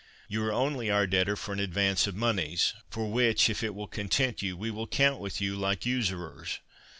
You are only our debtor for an advance of monies, for which, if it will content you, we will count with you like usurers.